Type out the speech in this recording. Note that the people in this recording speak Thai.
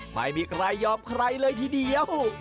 ไม่มีใครยอมใครเลยทีเดียว